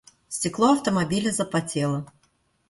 Стекло автомобиля запотело.